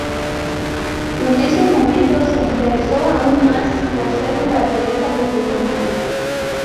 En ese momento se interesó aún más por ser un baterista profesional.